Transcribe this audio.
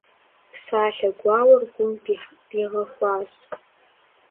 Псалъэ гуауэр гум дигъэхуащ.